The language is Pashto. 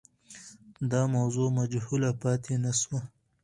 دا موضوع مجهوله پاتې نه سوه.